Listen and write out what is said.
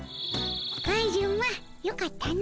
カジュマよかったの。